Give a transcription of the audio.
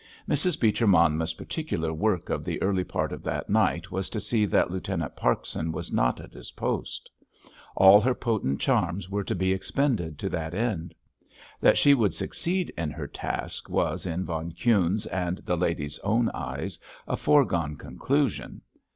Mrs. Beecher Monmouth's particular work of the early part of that night was to see that Lieutenant Parkson was not at his post. All her potent charms were to be expended to that end. That she would succeed in her task was, in von Kuhne's and the lady's own eyes, a foregone conclusion.